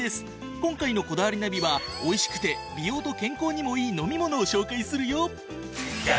今回の『こだわりナビ』は美味しくて美容と健康にもいい飲み物を紹介するよ！